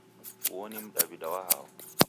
Uo ni Mdaw'ida wa hao?.